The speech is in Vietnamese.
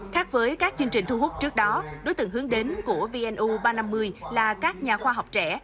khác với các chương trình thu hút trước đó đối tượng hướng đến của vnu ba trăm năm mươi là các nhà khoa học trẻ